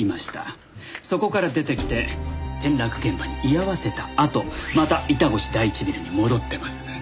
そこから出てきて転落現場に居合わせたあとまた板越第一ビルに戻ってます。